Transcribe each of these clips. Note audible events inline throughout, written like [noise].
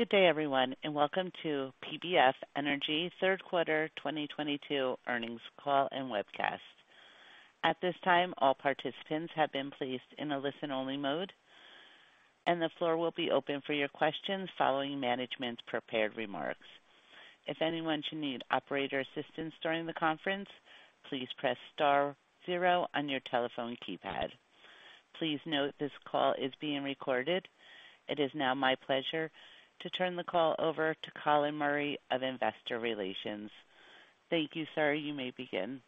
Good day, everyone, and welcome to PBF Energy Third Quarter 2022 Earnings Call and webcast. At this time, all participants have been placed in a listen-only mode, and the floor will be open for your questions following management's prepared remarks. If anyone should need operator assistance during the conference, please press star zero on your telephone keypad. Please note this call is being recorded. It is now my pleasure to turn the call over to Colin Murray of Investor Relations. Thank you, sir. You may begin.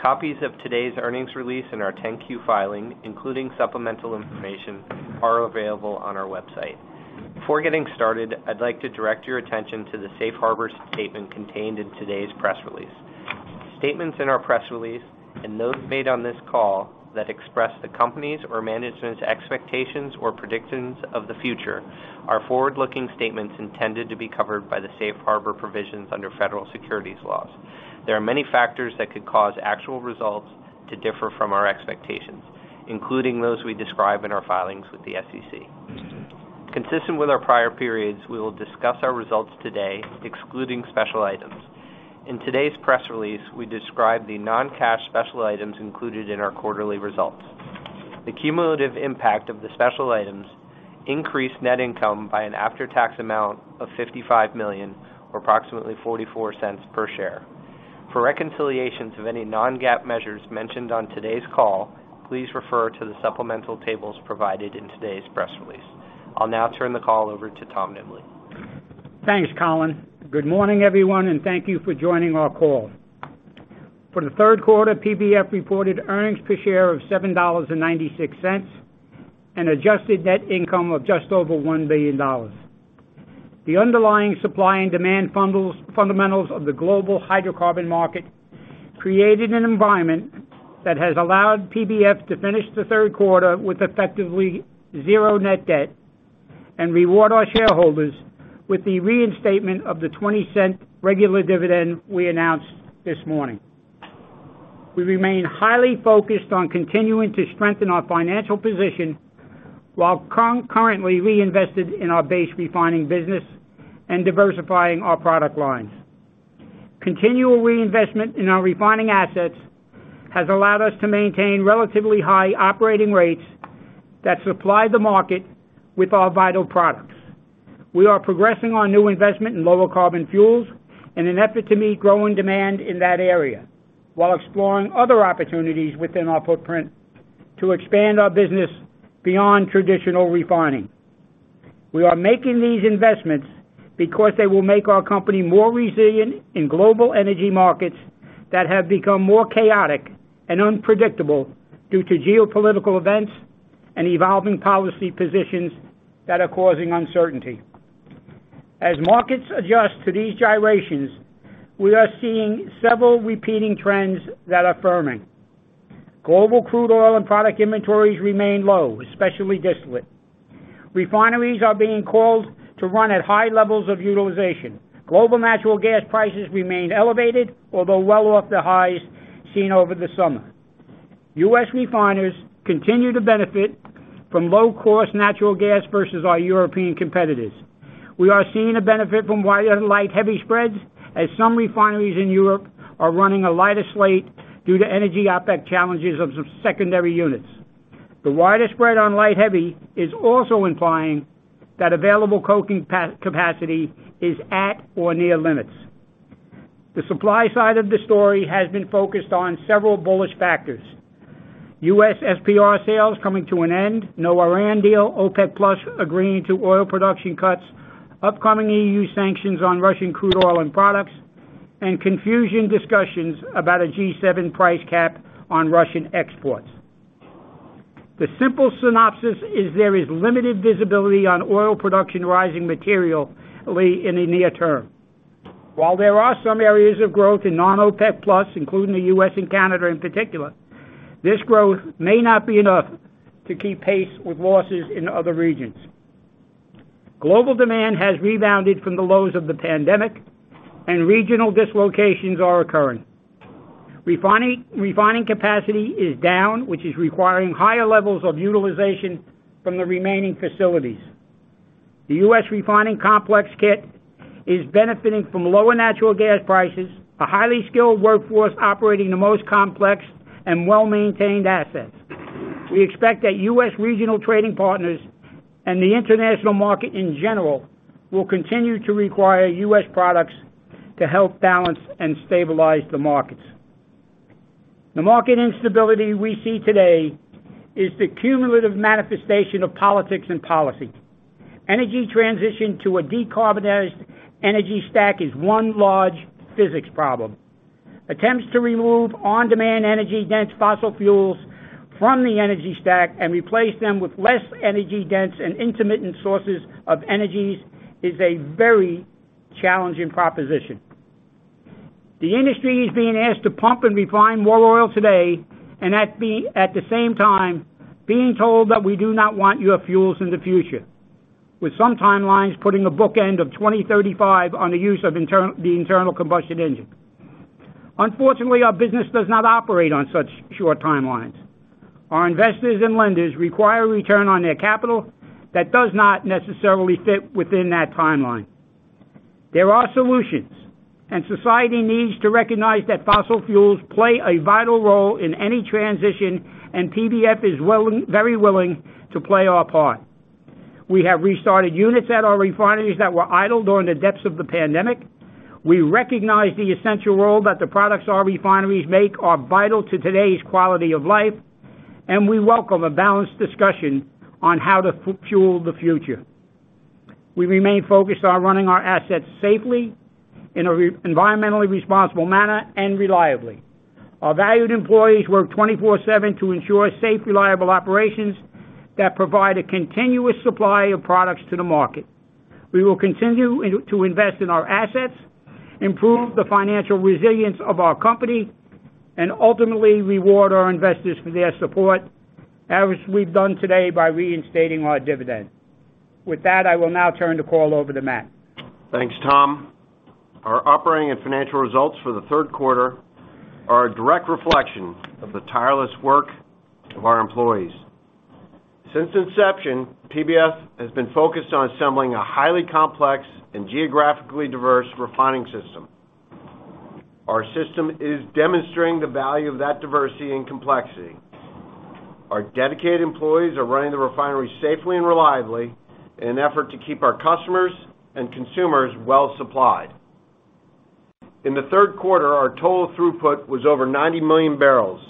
Copies of today's earnings release and our 10-Q filing, including supplemental information, are available on our website. Before getting started, I'd like to direct your attention to the safe harbor statement contained in today's press release. Statements in our press release and those made on this call that express the company's or management's expectations or predictions of the future are forward-looking statements intended to be covered by the safe harbor provisions under federal securities laws. There are many factors that could cause actual results to differ from our expectations, including those we describe in our filings with the SEC. Consistent with our prior periods, we will discuss our results today excluding special items. In today's press release, we describe the non-cash special items included in our quarterly results. The cumulative impact of the special items increased net income by an after-tax amount of $55 million, or approximately $0.44 per share. For reconciliations of any non-GAAP measures mentioned on today's call, please refer to the supplemental tables provided in today's press release. I'll now turn the call over to Tom Nimbley. Thanks, Colin. Good morning, everyone, and thank you for joining our call. For the third quarter, PBF reported earnings per share of $7.96 and adjusted net income of just over $1 billion. The underlying supply and demand fundamentals of the global hydrocarbon market created an environment that has allowed PBF to finish the third quarter with effectively zero net debt and reward our shareholders with the reinstatement of the $0.20 regular dividend we announced this morning. We remain highly focused on continuing to strengthen our financial position while concurrently reinvested in our base refining business and diversifying our product lines. Continual reinvestment in our refining assets has allowed us to maintain relatively high operating rates that supply the market with our vital products. We are progressing on new investment in lower carbon fuels in an effort to meet growing demand in that area while exploring other opportunities within our footprint to expand our business beyond traditional refining. We are making these investments because they will make our company more resilient in global energy markets that have become more chaotic and unpredictable due to geopolitical events and evolving policy positions that are causing uncertainty. As markets adjust to these gyrations, we are seeing several repeating trends that are firming. Global crude oil and product inventories remain low, especially distillate. Refineries are being called to run at high levels of utilization. Global natural gas prices remain elevated, although well off the highs seen over the summer. U.S. refiners continue to benefit from low-cost natural gas versus our European competitors. We are seeing a benefit from wide light-heavy spreads as some refineries in Europe are running a lighter slate due to energy effect challenges of some secondary units. The wider spread on light-heavy is also implying that available coking capacity is at or near limits. The supply side of the story has been focused on several bullish factors, US SPR sales coming to an end, no Iran deal, OPEC+ agreeing to oil production cuts, upcoming EU sanctions on Russian crude oil and products, and continuing discussions about a G7 price cap on Russian exports. The simple synopsis is there is limited visibility on oil production rising materially in the near term. While there are some areas of growth in non-OPEC+, including the U.S. and Canada in particular, this growth may not be enough to keep pace with losses in other regions. Global demand has rebounded from the lows of the pandemic and regional dislocations are occurring. Refining capacity is down, which is requiring higher levels of utilization from the remaining facilities. The U.S. refining complex, it is benefiting from lower natural gas prices, a highly skilled workforce operating the most complex and well-maintained assets. We expect that U.S. regional trading partners and the international market in general will continue to require U.S. products to help balance and stabilize the markets. The market instability we see today is the cumulative manifestation of politics and policy. Energy transition to a decarbonized energy stack is one large physics problem. Attempts to remove on-demand energy-dense fossil fuels from the energy stack and replace them with less energy-dense and intermittent sources of energies is a very challenging proposition. The industry is being asked to pump and refine more oil today, and at the same time, being told that we do not want your fuels in the future, with some timelines putting a bookend of 2035 on the use of the internal combustion engine. Unfortunately, our business does not operate on such short timelines. Our investors and lenders require a return on their capital that does not necessarily fit within that timeline. There are solutions, and society needs to recognize that fossil fuels play a vital role in any transition, and PBF is very willing to play our part. We have restarted units at our refineries that were idled during the depths of the pandemic. We recognize the essential role that the products our refineries make are vital to today's quality of life, and we welcome a balanced discussion on how to fuel the future. We remain focused on running our assets safely in an environmentally responsible manner and reliably. Our valued employees work 24/7 to ensure safe, reliable operations that provide a continuous supply of products to the market. We will continue to invest in our assets, improve the financial resilience of our company, and ultimately reward our investors for their support, as we've done today by reinstating our dividend. With that, I will now turn the call over to Matthew Lucey. Thanks, Tom. Our operating and financial results for the third quarter are a direct reflection of the tireless work of our employees. Since inception, PBF has been focused on assembling a highly complex and geographically diverse refining system. Our system is demonstrating the value of that diversity and complexity. Our dedicated employees are running the refinery safely and reliably in an effort to keep our customers and consumers well-supplied. In the third quarter, our total throughput was over 90 million barrels,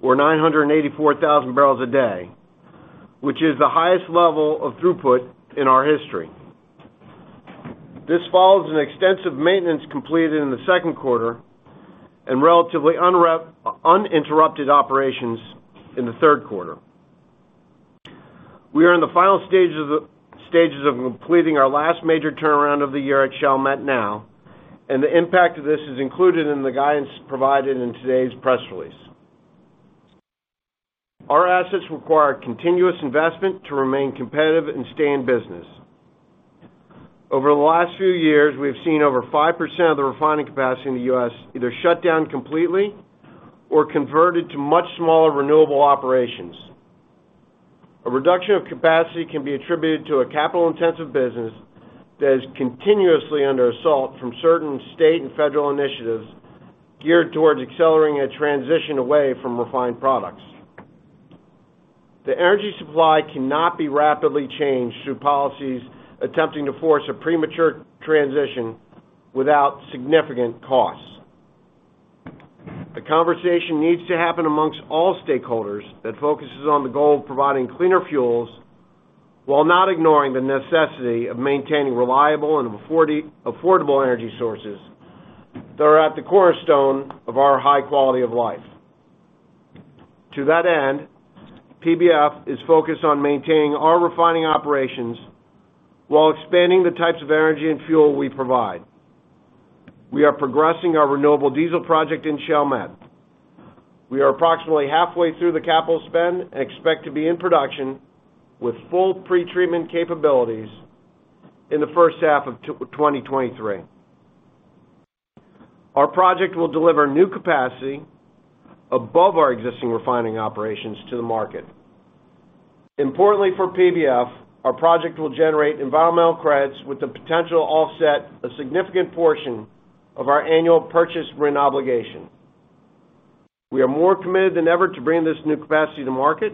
or 984,000 barrels a day, which is the highest level of throughput in our history. This follows an extensive maintenance completed in the second quarter and relatively uninterrupted operations in the third quarter. We are in the final stages of completing our last major turnaround of the year at Martinez now, and the impact of this is included in the guidance provided in today's press release. Our assets require continuous investment to remain competitive and stay in business. Over the last few years, we have seen over 5% of the refining capacity in the U.S. either shut down completely or converted to much smaller renewable operations. A reduction of capacity can be attributed to a capital-intensive business that is continuously under assault from certain state and federal initiatives geared towards accelerating a transition away from refined products. The energy supply cannot be rapidly changed through policies attempting to force a premature transition without significant costs. The conversation needs to happen amongst all stakeholders that focuses on the goal of providing cleaner fuels while not ignoring the necessity of maintaining reliable and affordable energy sources that are at the cornerstone of our high quality of life. To that end, PBF is focused on maintaining our refining operations while expanding the types of energy and fuel we provide. We are progressing our renewable diesel project in Chalmette. We are approximately halfway through the capital spend and expect to be in production with full pretreatment capabilities in the first half of 2023. Our project will deliver new capacity above our existing refining operations to the market. Importantly for PBF, our project will generate environmental credits with the potential to offset a significant portion of our annual purchase RIN obligation. We are more committed than ever to bring this new capacity to market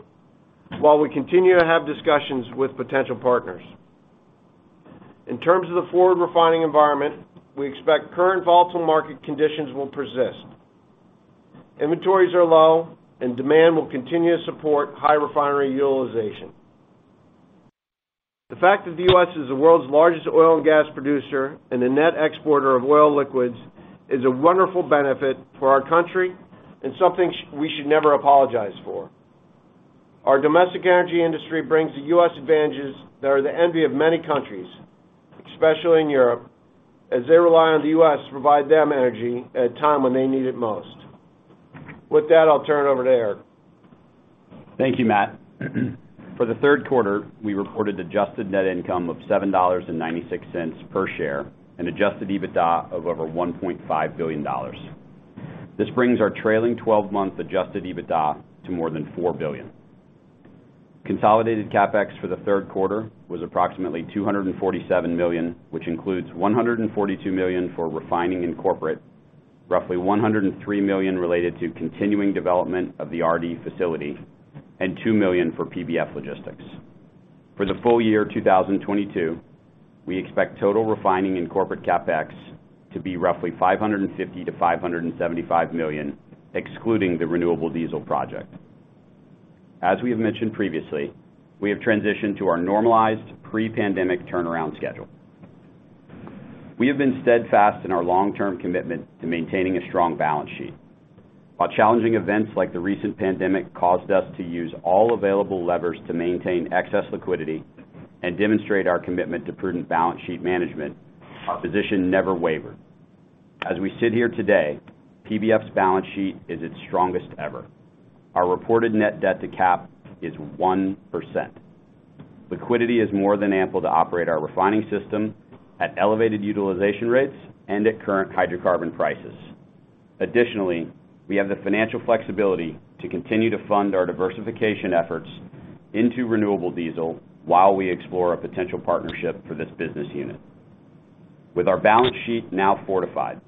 while we continue to have discussions with potential partners. In terms of the forward refining environment, we expect current volatile market conditions will persist. Inventories are low, and demand will continue to support high refinery utilization. The fact that the U.S. is the world's largest oil and gas producer and a net exporter of oil liquids is a wonderful benefit for our country and something we should never apologize for. Our domestic energy industry brings the U.S. advantages that are the envy of many countries, especially in Europe, as they rely on the U.S. to provide them energy at a time when they need it most. With that, I'll turn it over to Erik. Thank you, Matt. For the third quarter, we reported adjusted net income of $7.96 per share and adjusted EBITDA of over $1.5 billion. This brings our trailing 12-month adjusted EBITDA to more than $4 billion. Consolidated CapEx for the third quarter was approximately $247 million, which includes $142 million for refining and corporate, roughly $103 million related to continuing development of the RD facility, and $2 million for PBF Logistics. For the full year 2022, we expect total refining and corporate CapEx to be roughly $550 million-$575 million, excluding the renewable diesel project. We have mentioned previously, we have transitioned to our normalized pre-pandemic turnaround schedule. We have been steadfast in our long-term commitment to maintaining a strong balance sheet. While challenging events like the recent pandemic caused us to use all available levers to maintain excess liquidity and demonstrate our commitment to prudent balance sheet management, our position never wavered. As we sit here today, PBF's balance sheet is its strongest ever. Our reported net debt to cap is 1%. Liquidity is more than ample to operate our refining system at elevated utilization rates and at current hydrocarbon prices. Additionally, we have the financial flexibility to continue to fund our diversification efforts into renewable diesel while we explore a potential partnership for this business unit. With our balance sheet now fortified,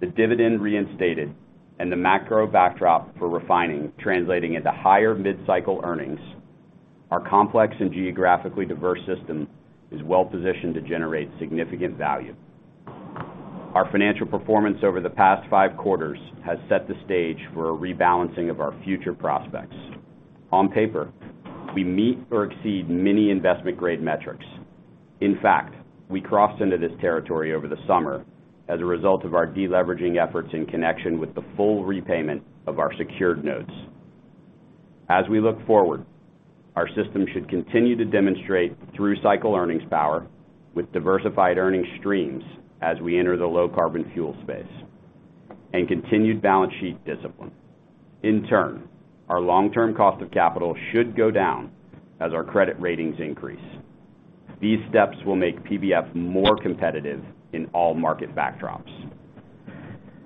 the dividend reinstated, and the macro backdrop for refining translating into higher mid-cycle earnings, our complex and geographically diverse system is well-positioned to generate significant value. Our financial performance over the past five quarters has set the stage for a rebalancing of our future prospects. On paper, we meet or exceed many investment-grade metrics. In fact, we crossed into this territory over the summer as a result of our de-leveraging efforts in connection with the full repayment of our secured notes. As we look forward, our system should continue to demonstrate through-cycle earnings power with diversified earnings streams as we enter the low carbon fuel space and continued balance sheet discipline. In turn, our long-term cost of capital should go down as our credit ratings increase. These steps will make PBF more competitive in all market backdrops.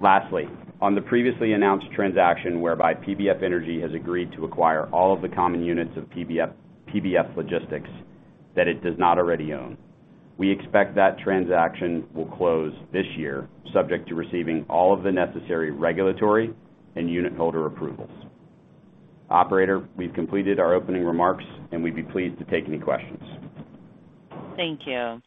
Lastly, on the previously announced transaction whereby PBF Energy has agreed to acquire all of the common units of PBF Logistics that it does not already own, we expect that transaction will close this year, subject to receiving all of the necessary regulatory and unitholder approvals. Operator, we've completed our opening remarks, and we'd be pleased to take any questions. Thank you.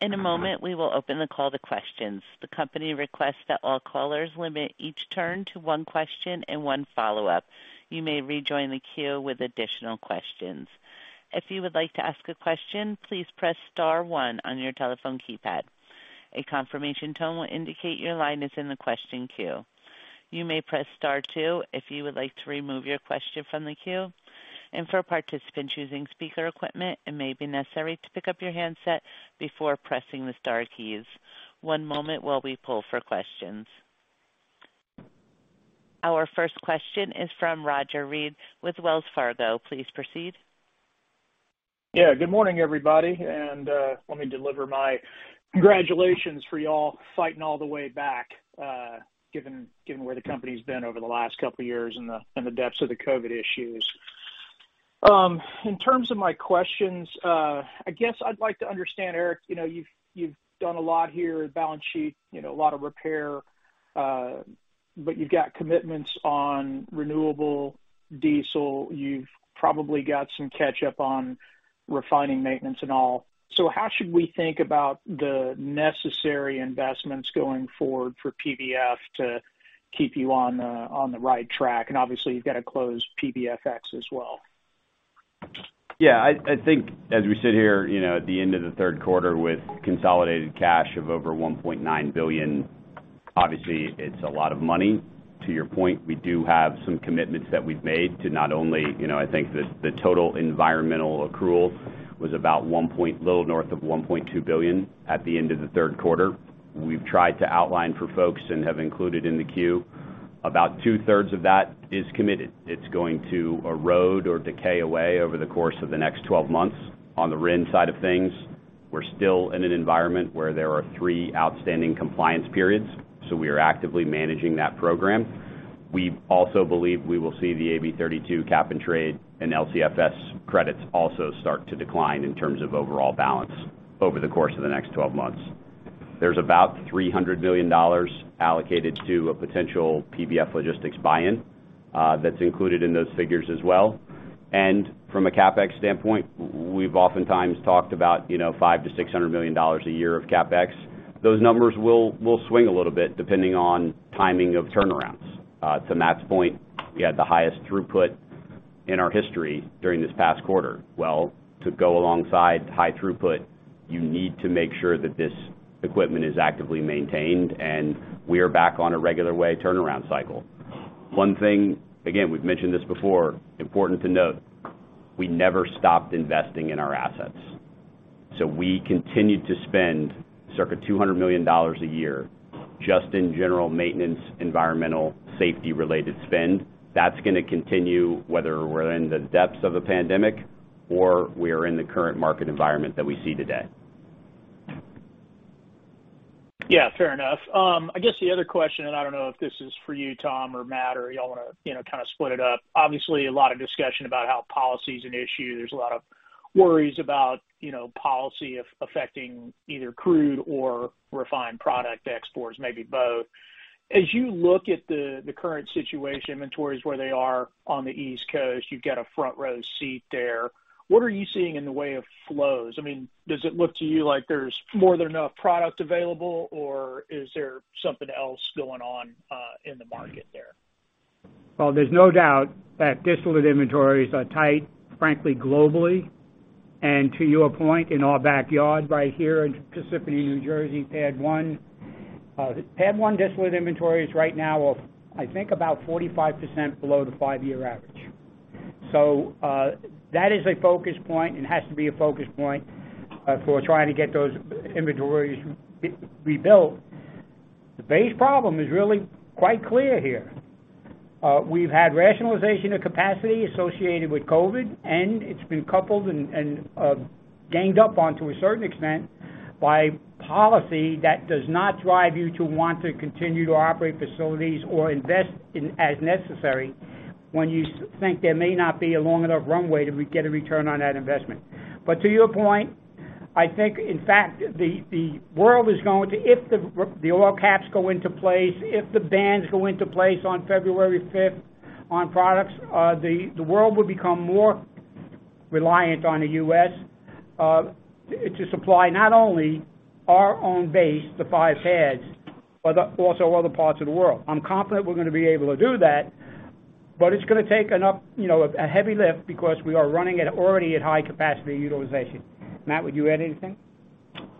In a moment, we will open the call to questions. The company requests that all callers limit each turn to one question and one follow-up. You may rejoin the queue with additional questions. If you would like to ask a question, please press star one on your telephone keypad. A confirmation tone will indicate your line is in the question queue. You may press star two if you would like to remove your question from the queue. For participants using speaker equipment, it may be necessary to pick up your handset before pressing the star keys. One moment while we pull for questions. Our first question is from Roger Read with Wells Fargo. Please proceed. Yeah, good morning, everybody, and let me deliver my congratulations for you all fighting all the way back, given where the company's been over the last couple of years and the depths of the COVID issues. In terms of my questions, I guess I'd like to understand, Erik, you know, you've done a lot here at balance sheet, you know, a lot of repair, but you've got commitments on renewable diesel. You've probably got some catch up on refining maintenance and all. So how should we think about the necessary investments going forward for PBF to keep you on the right track? Obviously you've got to close PBFX as well. Yeah, I think as we sit here, you know, at the end of the third quarter with consolidated cash of over $1.9 billion, obviously it's a lot of money. To your point, we do have some commitments that we've made to not only, you know, I think the total environmental accrual was about a little north of $1.2 billion at the end of the third quarter. We've tried to outline for folks and have included in the 10-Q. About 2/3 of that is committed. It's going to erode or decay away over the course of the next 12 months. On the RIN side of things, we're still in an environment where there are three outstanding compliance periods, so we are actively managing that program. We also believe we will see the AB 32 Cap-and-Trade and LCFS credits also start to decline in terms of overall balance over the course of the next 12 months. There's about $300 million allocated to a potential PBF Logistics buy-in, that's included in those figures as well. From a CapEx standpoint, we've oftentimes talked about, you know, $500 million-$600 million a year of CapEx. Those numbers will swing a little bit depending on timing of turnarounds. To Matt's point, we had the highest throughput in our history during this past quarter. Well, to go alongside high throughput, you need to make sure that this equipment is actively maintained, and we are back on a regular way turnaround cycle. One thing, again, we've mentioned this before. Important to note, we never stopped investing in our assets. We continued to spend circa $200 million a year just in general maintenance, environmental, safety-related spend. That's gonna continue whether we're in the depths of a pandemic or we are in the current market environment that we see today. Yeah, fair enough. I guess the other question, and I don't know if this is for you, Tom or Matt, or you all wanna, you know, kind of split it up. Obviously, a lot of discussion about how policy is an issue. There's a lot of worries about, you know, policy affecting either crude or refined product exports, maybe both. As you look at the current situation, inventories where they are on the East Coast, you've got a front row seat there. What are you seeing in the way of flows? I mean, does it look to you like there's more than enough product available, or is there something else going on in the market there? Well, there's no doubt that distillate inventories are tight, frankly, globally. To your point, in our backyard right here in PADD 1, New Jersey, PADD 1 distillate inventories right now are, I think, about 45% below the five-year average. That is a focus point and has to be a focus point for trying to get those inventories rebuilt. The base problem is really quite clear here. We've had rationalization of capacity associated with COVID, and it's been coupled and ganged up on to a certain extent by policy that does not drive you to want to continue to operate facilities or invest in as necessary when you think there may not be a long enough runway to get a return on that investment. To your point, I think, in fact, the world is going to if the oil caps go into place, if the bans go into place on February fifth on products, the world will become more reliant on the U.S. to supply not only our own base, the five PADDs, but also other parts of the world. I'm confident we're gonna be able to do that, but it's gonna take enough, you know, a heavy lift because we are running already at high capacity utilization. Matt, would you add anything?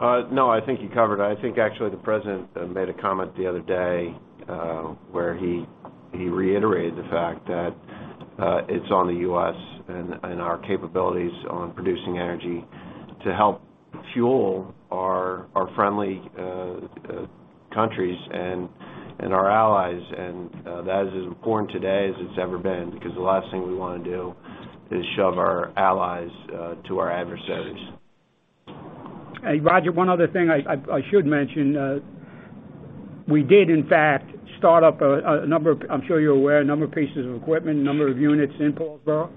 No, I think you covered. I think actually the president made a comment the other day, where he reiterated the fact that it's on the U.S. and our capabilities on producing energy to help fuel our friendly countries and our allies. That is as important today as it's ever been, because the last thing we wanna do is shove our allies to our adversaries. Roger, one other thing I should mention, we did in fact start up a number of pieces of equipment, a number of units in Paulsboro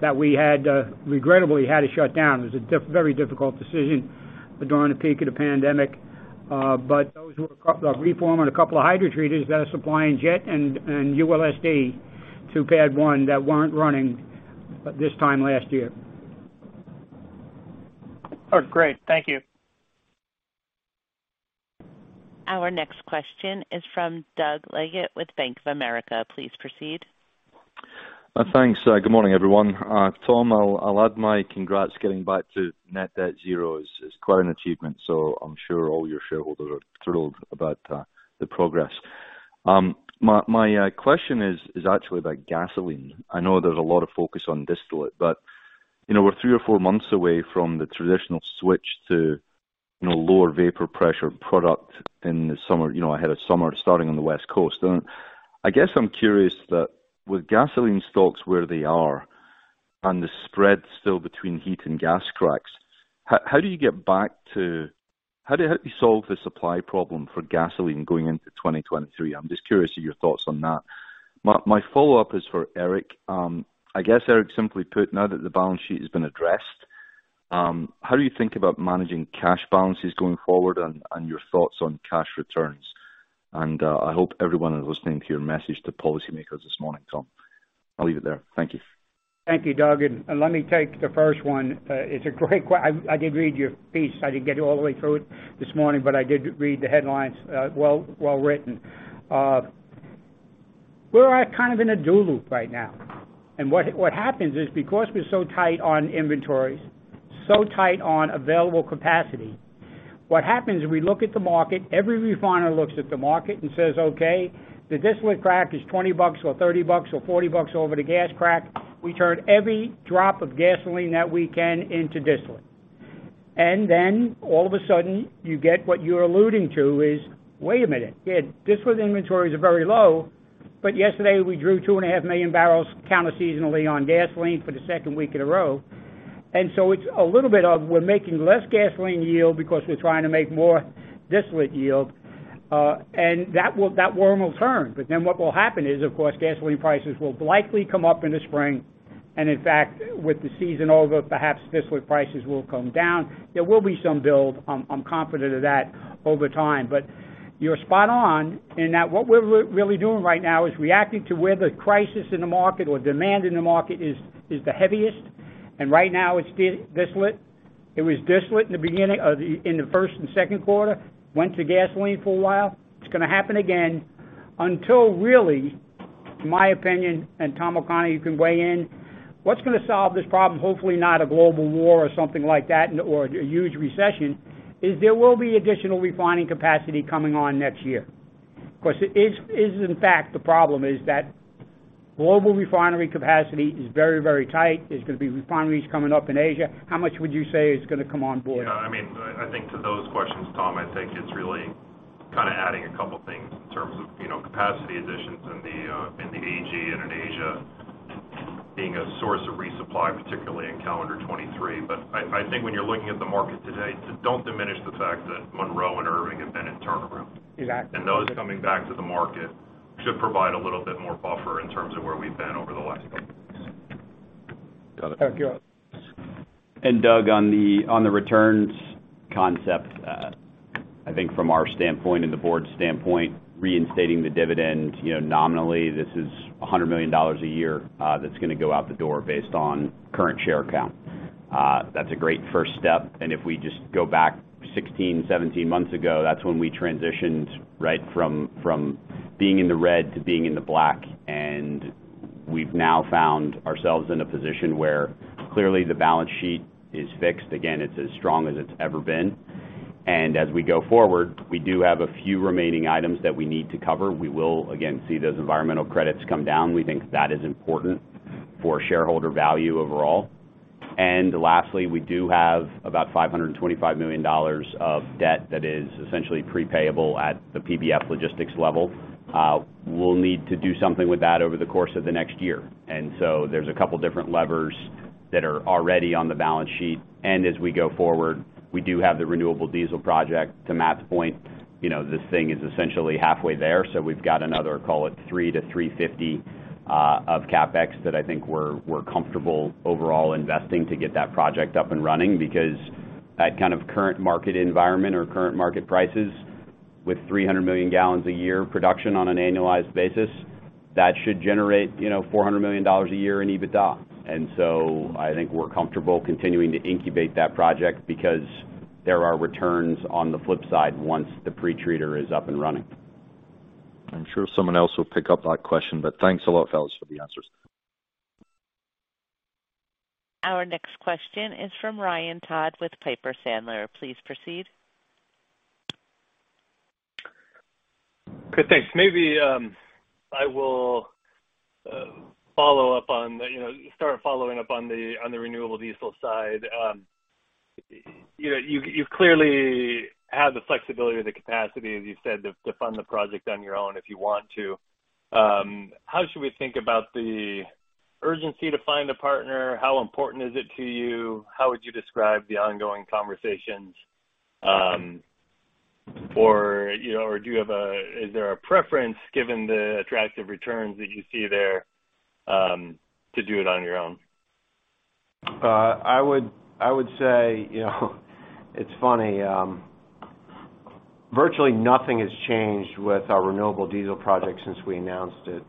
that we had regrettably had to shut down. It was a very difficult decision during the peak of the pandemic. But those were a reformer and a couple of hydrotreaters that are supplying jet and ULSD to PADD 1 that weren't running at this time last year. Oh, great. Thank you. Our next question is from Doug Leggate with Banc of America. Please proceed. Thanks. Good morning, everyone. Tom, I'll add my congrats getting back to net debt zero. It's quite an achievement. So I'm sure all your shareholders are thrilled about the progress. My question is actually about gasoline. I know there's a lot of focus on distillate, but you know, we're three or four months away from the traditional switch to you know, lower vapor pressure product in the summer, you know, ahead of summer starting on the West Coast. I guess I'm curious that with gasoline stocks where they are and the spread still between heat and gas cracks, how do you solve the supply problem for gasoline going into 2023. I'm just curious to your thoughts on that. My follow-up is for Erik. I guess, Erik, simply put, now that the balance sheet has been addressed, how do you think about managing cash balances going forward and your thoughts on cash returns? I hope everyone is listening to your message to policymakers this morning, Tom. I'll leave it there. Thank you. Thank you, Doug, and let me take the first one. I did read your piece. I didn't get all the way through it this morning, but I did read the headlines. Well written. We're kind of in a doom loop right now. What happens is because we're so tight on inventories, so tight on available capacity, we look at the market, every refiner looks at the market and says, "Okay, the distillate crack is $20 or $30 or $40 over the gas crack." We turn every drop of gasoline that we can into distillate. Then all of a sudden, you get what you're alluding to is, wait a minute, yeah, distillate inventories are very low, but yesterday we drew 2.5 million barrels counterseasonally on gasoline for the second week in a row. It's a little bit of we're making less gasoline yield because we're trying to make more distillate yield. That worm will turn. Then what will happen is, of course, gasoline prices will likely come up in the spring. In fact, with the season over, perhaps distillate prices will come down. There will be some build. I'm confident of that over time. You're spot on in that what we're really doing right now is reacting to where the crisis in the market or demand in the market is the heaviest. Right now it's distillate. It was distillate in the first and second quarter, went to gasoline for a while. It's gonna happen again until really, my opinion, and Thomas O'Connor, you can weigh in. What's gonna solve this problem, hopefully not a global war or something like that or a huge recession, is there will be additional refining capacity coming on next year. Of course, in fact the problem is that global refinery capacity is very, very tight. There's gonna be refineries coming up in Asia. How much would you say is gonna come on board? Yeah. I mean, I think to those questions, Tom, I think it's really kind of adding a couple things in terms of, you know, capacity additions in the AG and in Asia being a source of resupply, particularly in calendar 2023. I think when you're looking at the market today, don't diminish the fact that Monroe and Irving have been in turnaround. Exactly. Those coming back to the market should provide a little bit more buffer in terms of where we've been over the last couple years. Thank you. Doug, on the returns concept, I think from our standpoint and the board's standpoint, reinstating the dividend, you know, nominally this is $100 million a year, that's gonna go out the door based on current share count. That's a great first step. If we just go back 16, 17 months ago, that's when we transitioned, right, from being in the red to being in the black. We've now found ourselves in a position where clearly the balance sheet is fixed. Again, it's as strong as it's ever been. As we go forward, we do have a few remaining items that we need to cover. We will, again, see those environmental credits come down. We think that is important for shareholder value overall. Lastly, we do have about $525 million of debt that is essentially pre-payable at the PBF Logistics level. We'll need to do something with that over the course of the next year. There's a couple different levers that are already on the balance sheet. As we go forward, we do have the renewable diesel project. To Matt's point, you know, this thing is essentially halfway there, so we've got another, call it $300 million-$350 million, of CapEx that I think we're comfortable overall investing to get that project up and running because that kind of current market environment or current market prices with 300 million gallons a year production on an annualized basis, that should generate, you know, $400 million a year in EBITDA. I think we're comfortable continuing to incubate that project because there are returns on the flip side once the pretreater is up and running. I'm sure someone else will pick up that question, but thanks a lot, fellas, for the answers. Our next question is from Ryan Todd with Piper Sandler. Please proceed. Okay, thanks. Maybe I will start following up on the renewable diesel side. You clearly have the flexibility or the capacity, as you said, to fund the project on your own if you want to. How should we think about the urgency to find a partner? How important is it to you? How would you describe the ongoing conversations? Or, you know, is there a preference given the attractive returns that you see there, to do it on your own? I would say, you know, it's funny, virtually nothing has changed with our renewable diesel project since we announced it.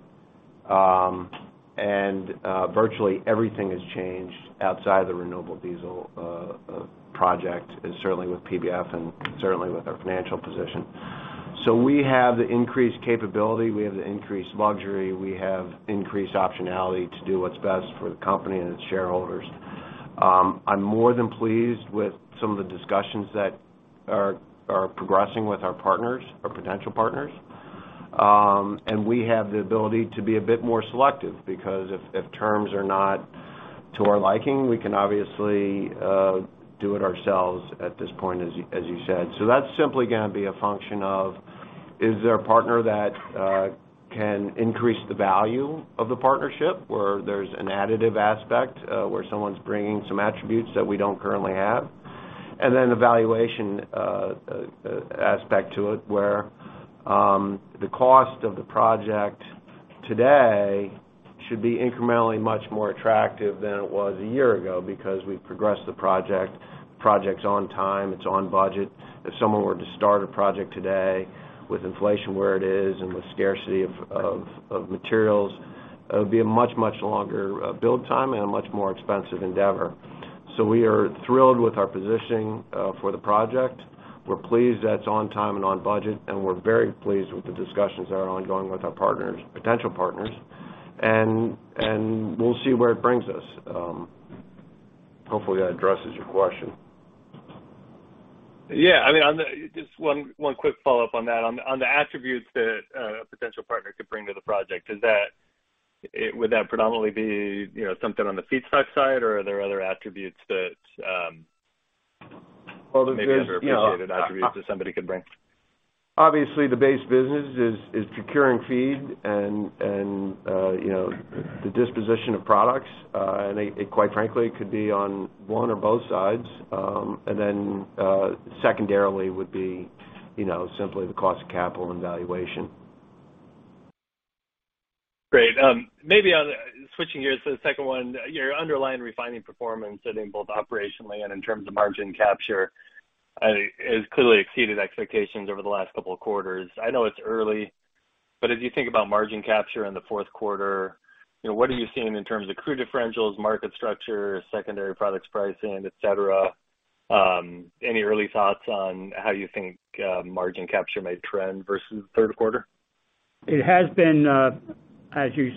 Virtually everything has changed outside the renewable diesel project, and certainly with PBF and certainly with our financial position. We have the increased capability, we have the increased luxury, we have increased optionality to do what's best for the company and its shareholders. I'm more than pleased with some of the discussions that are progressing with our partners or potential partners. We have the ability to be a bit more selective because if terms are not to our liking, we can obviously do it ourselves at this point, as you said. That's simply gonna be a function of, is there a partner that can increase the value of the partnership, where there's an additive aspect, where someone's bringing some attributes that we don't currently have? The valuation aspect to it, where the cost of the project today should be incrementally much more attractive than it was a year ago because we've progressed the project. Project's on time, it's on budget. If someone were to start a project today with inflation where it is and with scarcity of materials, it would be a much, much longer build time and a much more expensive endeavor. We are thrilled with our positioning for the project. We're pleased that it's on time and on budget, and we're very pleased with the discussions that are ongoing with our partners, potential partners. We'll see where it brings us. Hopefully that addresses your question. Yeah. I mean, just one quick follow-up on that. On the attributes that a potential partner could bring to the project, would that predominantly be, you know, something on the feedstock side, or are there other attributes that. Well, there's, you know. Maybe underappreciated attributes that somebody could bring. Obviously, the base business is procuring feed and, you know, the disposition of products. Secondarily would be, you know, simply the cost of capital and valuation. Great. Maybe switching gears to the second one, your underlying refining performance and in both operationally and in terms of margin capture has clearly exceeded expectations over the last couple of quarters. I know it's early, but as you think about margin capture in the fourth quarter, you know, what are you seeing in terms of crude differentials, market structure, secondary products pricing, et cetera? Any early thoughts on how you think margin capture may trend versus the third quarter? It has been, as you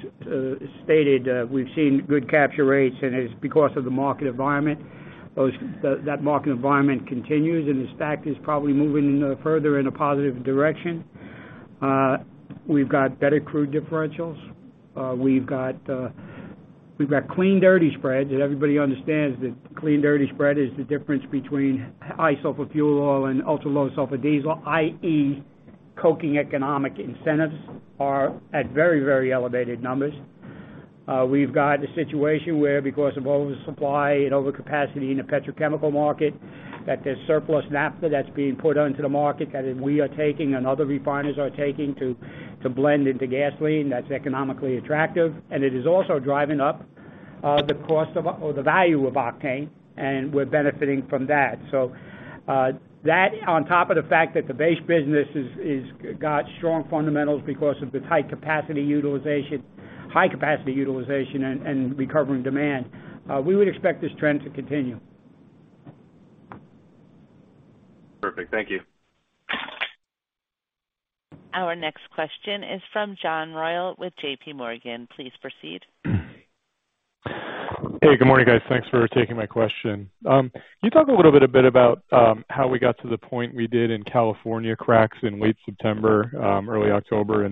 stated, we've seen good capture rates, and it's because of the market environment. That market environment continues, and this fact is probably moving in a further positive direction. We've got better crude differentials. We've got clean-dirty spread, and everybody understands that clean-dirty spread is the difference between high sulfur fuel oil and ultra-low sulfur diesel, i.e., coking economic incentives are at very, very elevated numbers. We've got a situation where because of oversupply and overcapacity in the petrochemical market, there's surplus naphtha that's being put onto the market that we are taking and other refiners are taking to blend into gasoline that's economically attractive. It is also driving up the cost or the value of octane, and we're benefiting from that. That on top of the fact that the base business got strong fundamentals because of the tight capacity utilization, high capacity utilization and recovering demand, we would expect this trend to continue. Perfect. Thank you. Our next question is from John Royall with JPMorgan. Please proceed. Hey, good morning, guys. Thanks for taking my question. Can you talk a little bit about how we got to the point we did in California cracks in late September, early October?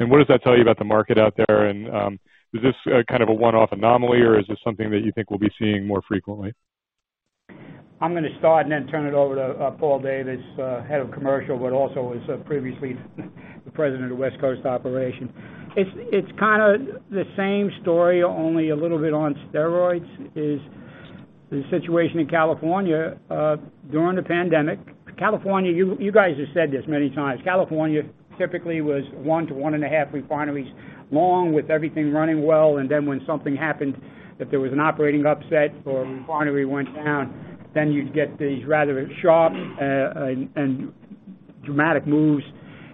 What does that tell you about the market out there? Is this kind of a one-off anomaly, or is this something that you think we'll be seeing more frequently? I'm gonna start and then turn it over to Paul Davis, Head of Commercial, but also is previously the President of West Coast Operation. It's kind of the same story, only a little bit on steroids is the situation in California during the pandemic. California, you guys have said this many times. California typically was one to 1.5 refineries long with everything running well, and then when something happened, if there was an operating upset or a refinery went down, then you'd get these rather sharp and dramatic moves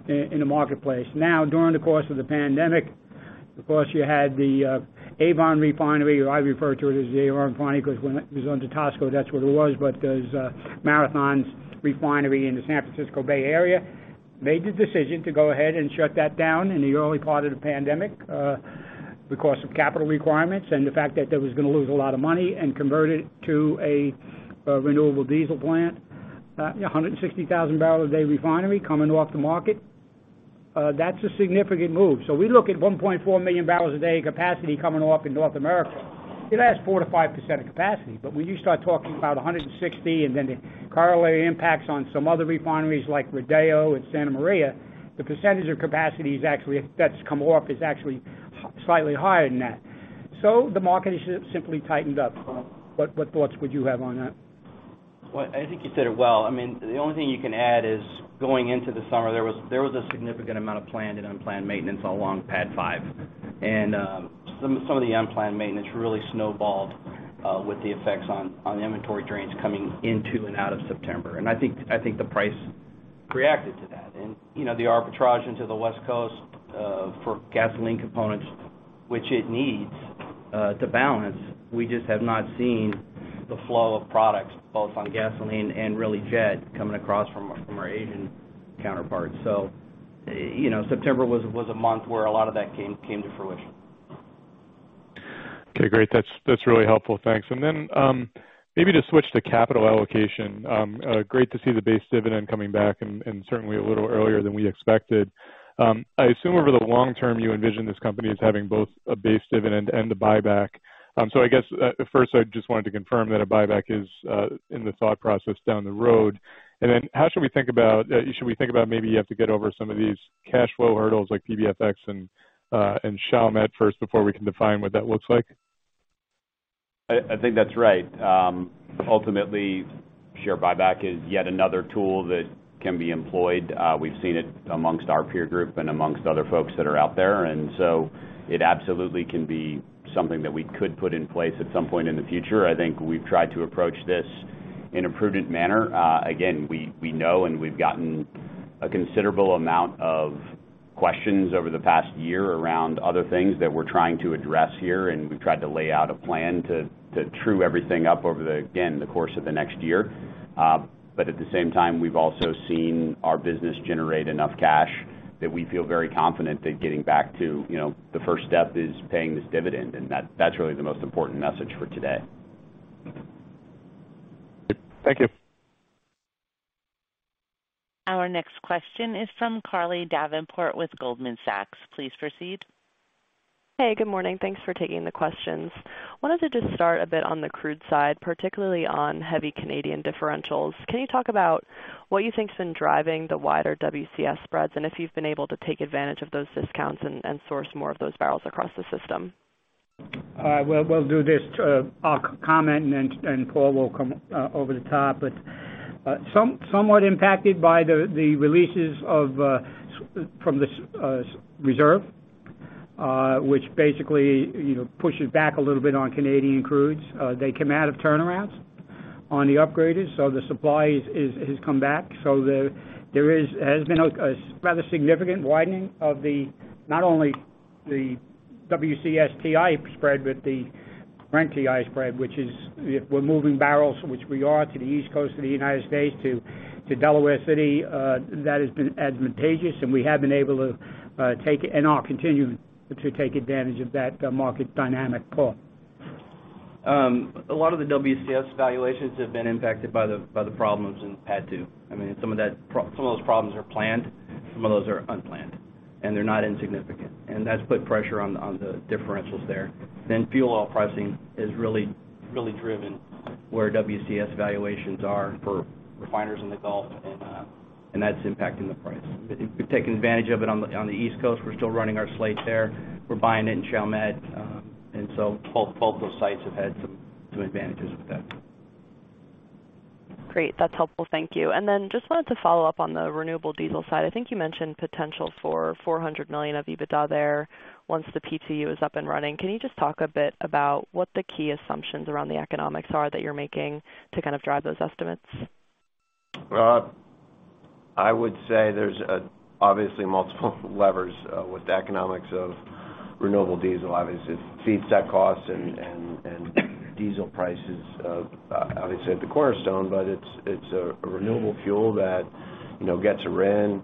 in the marketplace. Now, during the course of the pandemic, of course, you had the Avon Refinery, or I refer to it as the Martinez Refinery 'cause when it was under Tosco that's what it was. Those Marathon Petroleum's refinery in the San Francisco Bay Area made the decision to go ahead and shut that down in the early part of the pandemic because of capital requirements and the fact that there was gonna lose a lot of money and convert it to a renewable diesel plant. 160,000 barrels a day refinery coming off the market. That's a significant move. We look at 1.4 million barrels a day capacity coming off in North America. It adds 4%-5% of capacity. When you start talking about 160 and then the corollary impacts on some other refineries like Rodeo and Santa Maria, the percentage of capacity that's come off is actually slightly higher than that. The market is simply tightened up. Paul, what thoughts would you have on that? Well, I think you said it well. I mean, the only thing you can add is going into the summer, there was a significant amount of planned and unplanned maintenance along PADD 5. Some of the unplanned maintenance really snowballed with the effects on the inventory drains coming into and out of September. I think the price reacted to that. You know, the arbitrage into the West Coast for gasoline components, which it needs to balance, we just have not seen the flow of products both on gasoline and really jet coming across from our Asian counterparts. You know, September was a month where a lot of that came to fruition. Okay, great. That's really helpful. Thanks. Maybe to switch to capital allocation, great to see the base dividend coming back and certainly a little earlier than we expected. I assume over the long term, you envision this company as having both a base dividend and a buyback. I guess first, I just wanted to confirm that a buyback is in the thought process down the road. How should we think about maybe you have to get over some of these cash flow hurdles like PBFX and Chalmette first before we can define what that looks like? I think that's right. Ultimately, share buyback is yet another tool that can be employed. We've seen it amongst our peer group and amongst other folks that are out there, and so it absolutely can be something that we could put in place at some point in the future. I think we've tried to approach this in a prudent manner. Again, we know and we've gotten a considerable amount of questions over the past year around other things that we're trying to address here, and we've tried to lay out a plan to true everything up over the course of the next year. At the same time, we've also seen our business generate enough cash that we feel very confident that getting back to, you know, the first step is paying this dividend, and that's really the most important message for today. Thank you. Our next question is from Carly Davenport with Goldman Sachs. Please proceed. Hey, good morning. Thanks for taking the questions. Wanted to just start a bit on the crude side, particularly on heavy Canadian differentials. Can you talk about what you think has been driving the wider WCS spreads, and if you've been able to take advantage of those discounts and source more of those barrels across the system? We'll do this. I'll comment and then Paul will come over the top. Somewhat impacted by the releases from the, [audio distortion] which basically, you know, pushes back a little bit on Canadian crudes. They come out of turnarounds on the upgraders, so the supply has come back. There has been a rather significant widening of not only the WCS-WTI spread, but the Brent-WTI spread, which is, if we're moving barrels, which we are, to the East Coast of the United States to Delaware City, that has been advantageous, and we have been able to take and are continuing to take advantage of that market dynamic. Paul. A lot of the WCS valuations have been impacted by the problems in PADD 2. I mean, some of those problems are planned, some of those are unplanned, and they're not insignificant. That's put pressure on the differentials there. Fuel oil pricing has really driven where WCS valuations are for refiners in the Gulf, and that's impacting the price. We're taking advantage of it on the East Coast. We're still running our slate there. We're buying it in Chalmette. Both those sites have had some advantages with that. Great. That's helpful. Thank you. Just wanted to follow up on the renewable diesel side. I think you mentioned potential for $400 million of EBITDA there once the PTU is up and running. Can you just talk a bit about what the key assumptions around the economics are that you're making to kind of drive those estimates? I would say there's obviously multiple levers with the economics of renewable diesel. Obviously, feedstock costs and diesel prices are obviously at the cornerstone, but it's a renewable fuel that you know gets a RIN,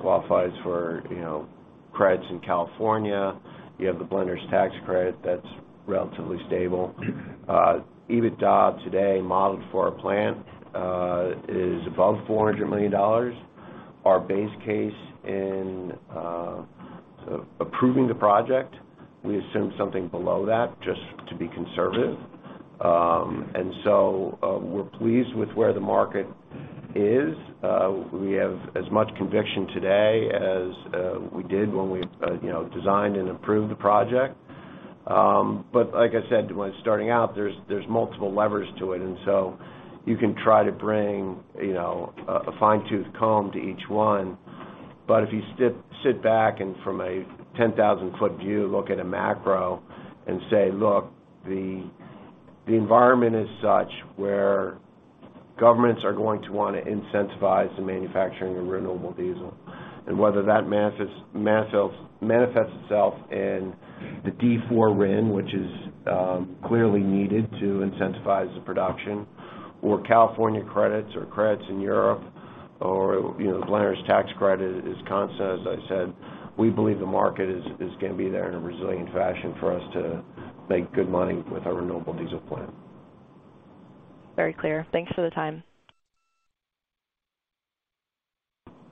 qualifies for you know credits in California. You have the Blender's Tax Credit that's relatively stable. EBITDA today modeled for our plant is above $400 million. Our base case in approving the project, we assume something below that just to be conservative. We're pleased with where the market is. We have as much conviction today as we did when we you know designed and approved the project. Like I said when starting out, there's multiple levers to it, and so you can try to bring you know a fine-tooth comb to each one. If you sit back and from a 10,000-ft view, look at a macro and say, "Look, the environment is such where governments are going to want to incentivize the manufacturing of renewable diesel." Whether that manifests itself in the D4 RIN, which is clearly needed to incentivize the production or California credits or credits in Europe or, you know, the Blender's Tax Credit is constant, as I said, we believe the market is gonna be there in a resilient fashion for us to make good money with our renewable diesel plant. Very clear. Thanks for the time.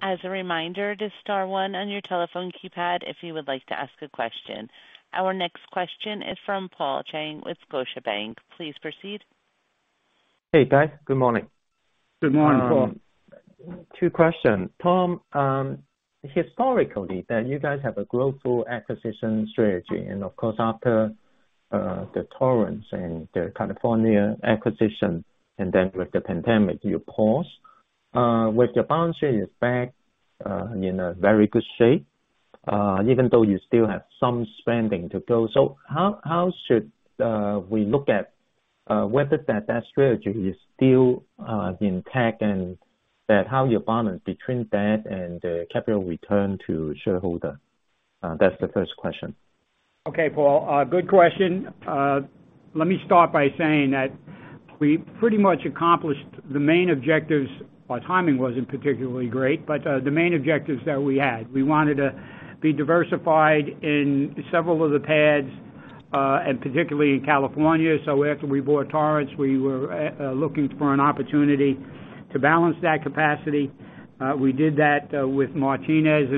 As a reminder to star one on your telephone keypad if you would like to ask a question. Our next question is from Paul Cheng with Scotiabank. Please proceed. Hey, guys. Good morning. Good morning, Paul. Two questions. Tom, historically that you guys have a growth through acquisition strategy. Of course, after the Torrance and the California acquisition, and then with the pandemic, you paused. With your balance sheet is back in a very good shape, even though you still have some spending to go. How should we look at whether that strategy is still intact and that how you balance between that and capital return to shareholder? That's the first question. Okay. Paul, good question. Let me start by saying that we pretty much accomplished the main objectives. Our timing wasn't particularly great, but the main objectives that we had. We wanted to be diversified in several of the PADDs, and particularly in California. After we bought Torrance, we were looking for an opportunity to balance that capacity. We did that with Martinez.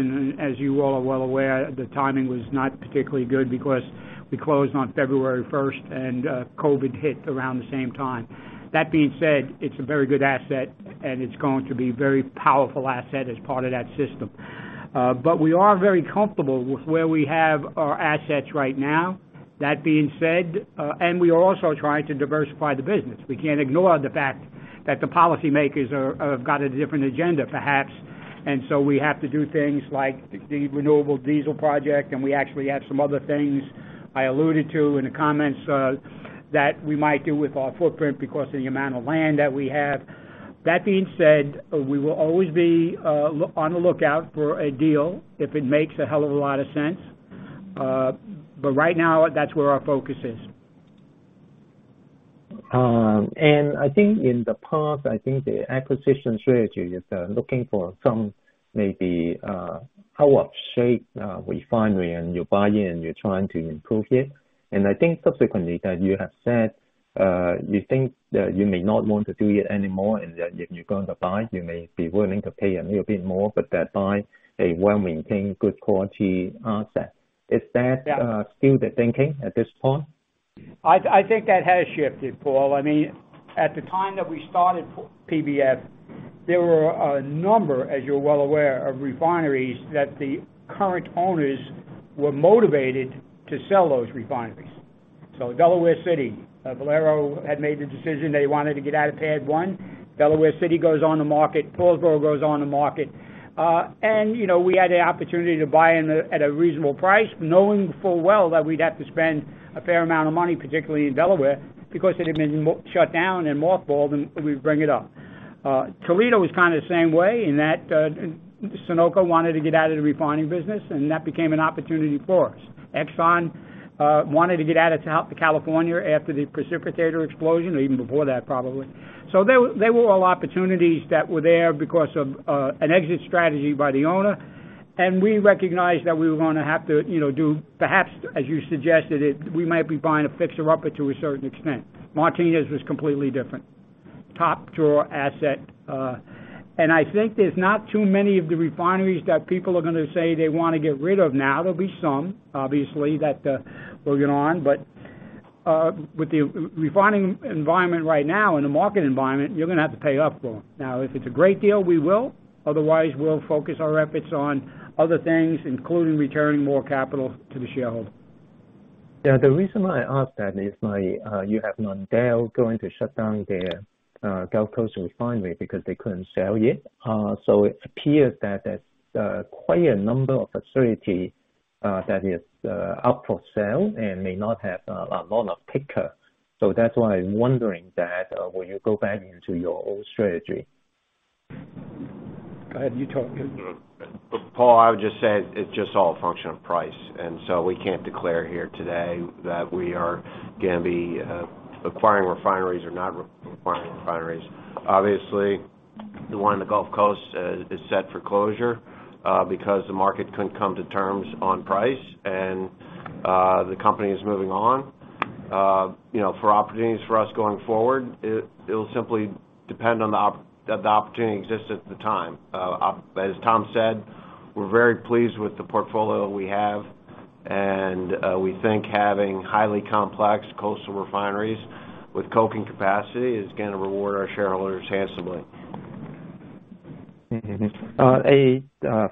As you all are well aware, the timing was not particularly good because we closed on February 1st, and COVID hit around the same time. That being said, it's a very good asset, and it's going to be very powerful asset as part of that system. We are very comfortable with where we have our assets right now. That being said, we are also trying to diversify the business. We can't ignore the fact that the policymakers have got a different agenda, perhaps. We have to do things like the renewable diesel project, and we actually have some other things I alluded to in the comments, that we might do with our footprint because of the amount of land that we have. That being said, we will always be on the lookout for a deal if it makes a hell of a lot of sense. Right now that's where our focus is. I think in the past, I think the acquisition strategy is looking for some maybe out of shape refinery and you buy in, you're trying to improve it. I think subsequently that you have said you think that you may not want to do it anymore, and that if you're going to buy, you may be willing to pay a little bit more, but thereby a well-maintained good quality asset. Yeah. Is that still the thinking at this point? I think that has shifted, Paul. I mean, at the time that we started PBF, there were a number, as you're well aware, of refineries that the current owners were motivated to sell those refineries. Delaware City, Valero had made the decision they wanted to get out of PADD 1. Delaware City goes on the market. Paulsboro goes on the market. You know, we had the opportunity to buy at a reasonable price, knowing full well that we'd have to spend a fair amount of money, particularly in Delaware, because it had been shut down and mothballed, and we'd bring it up. Toledo was kind of the same way in that Sunoco wanted to get out of the refining business, and that became an opportunity for us. ExxonMobil wanted to get out of California after the precipitator explosion or even before that, probably. They were all opportunities that were there because of an exit strategy by the owner. We recognized that we were gonna have to, you know, do perhaps, as you suggested it, we might be buying a fixer-upper to a certain extent. Martinez was completely different. Top drawer asset. I think there's not too many of the refineries that people are gonna say they wanna get rid of now. There'll be some, obviously, that we'll get on. With the refining environment right now and the market environment, you're gonna have to pay up, Paul. Now, if it's a great deal, we will. Otherwise, we'll focus our efforts on other things, including returning more capital to the shareholder. Yeah. The reason why I ask that is that you have LyondellBasell going to shut down their Houston refinery because they couldn't sell it. It appears that there's quite a number of facilities up for sale and may not have a lot of takers. That's why I'm wondering, will you go back into your old strategy? Go ahead, you talk. Paul, I would just say it's just all a function of price. We can't declare here today that we are gonna be acquiring refineries or not acquiring refineries. Obviously, the one in the Gulf Coast is set for closure because the market couldn't come to terms on price and the company is moving on. You know, for opportunities for us going forward, it'll simply depend on the opportunity that exists at the time. As Tom said, we're very pleased with the portfolio we have, and we think having highly complex coastal refineries with coking capacity is gonna reward our shareholders handsomely. A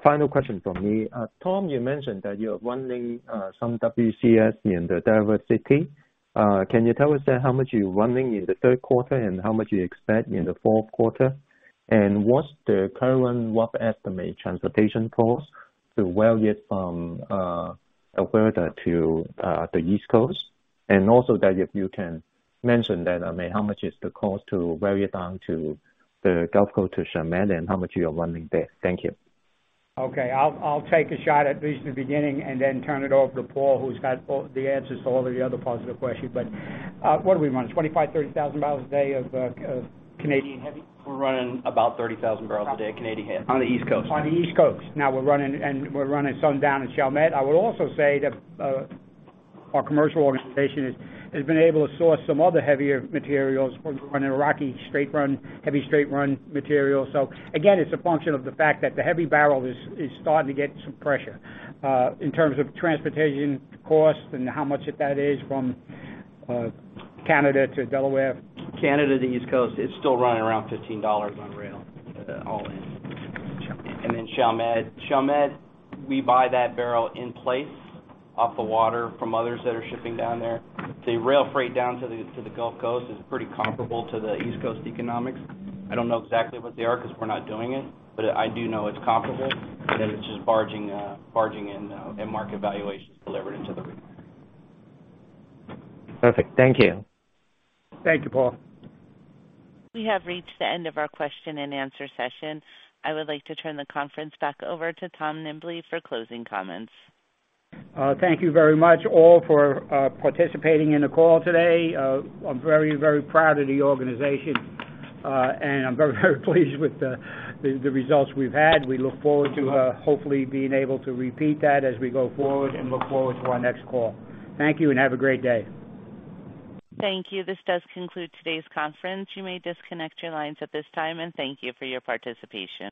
final question from me. Tom, you mentioned that you are running some WCS in the Delaware City. Can you tell us then how much you're running in the third quarter and how much you expect in the fourth quarter? What's the current rough estimate transportation cost to rail it from Alberta to the East Coast? Also, if you can mention that, I mean, how much is the cost to rail it down to the Gulf Coast to Chalmette and how much you are running there? Thank you. Okay. I'll take a shot at least in the beginning and then turn it over to Paul, who's got all the answers to all of the other parts of the question. What do we run, 25,000-30,000 barrels a day of Canadian heavy? We're running about 30,000 barrels a day of Canadian heavy on the East Coast. On the East Coast. Now we're running some down in Chalmette. I would also say that our commercial organization has been able to source some other heavier materials. We're running a resid straight run, heavy straight run material. So again, it's a function of the fact that the heavy barrel is starting to get some pressure. In terms of transportation cost and how much that is from Canada to Delaware. Canada to the East Coast, it's still running around $15 on rail, all in. Chalmette. Chalmette, we buy that barrel in place off the water from others that are shipping down there. The rail freight down to the Gulf Coast is pretty comparable to the East Coast economics. I don't know exactly what they are because we're not doing it. I do know it's comparable, and it's just barging in at market valuations delivered into the.... Perfect. Thank you. Thank you, Paul. We have reached the end of our question and answer session. I would like to turn the conference back over to Tom Nimbley for closing comments. Thank you very much all for participating in the call today. I'm very, very proud of the organization. I'm very, very pleased with the results we've had. We look forward to hopefully being able to repeat that as we go forward and look forward to our next call. Thank you and have a great day. Thank you. This does conclude today's conference. You may disconnect your lines at this time and thank you for your participation.